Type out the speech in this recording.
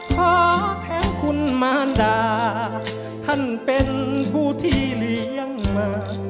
ขอแทนคุณมารดาท่านเป็นผู้ที่เลี้ยงมา